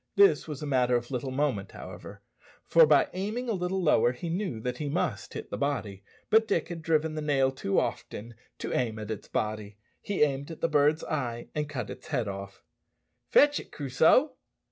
This was a matter of little moment, however, for by aiming a little lower he knew that he must hit the body. But Dick had driven the nail too often to aim at its body; he aimed at the bird's eye, and cut its head off. "Fetch it, Crusoe."